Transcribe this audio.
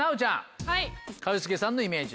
一茂さんのイメージ。